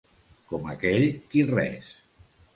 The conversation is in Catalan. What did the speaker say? Com aquell qui res.